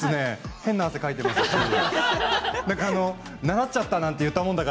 変な汗をかいています。